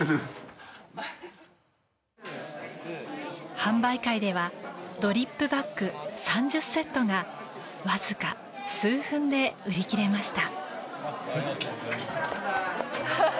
販売会ではドリップバッグ３０セットがわずか数分で売り切れました。